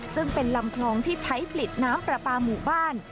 ซึ่งเป็นลำคลองที่ใช้ผลิตน้ำปลาปลาหมู่บ้าน